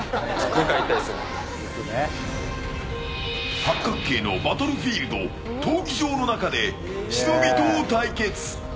８角形のバトルフィールド闘技場の中で忍と対決。